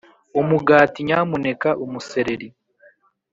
umugati, nyamuneka, umusereri.